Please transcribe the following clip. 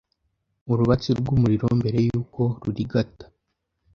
Urubatsi rw'umuriro mbere yuko rurigata